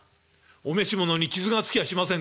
「お召し物に傷がつきゃしませんか？」。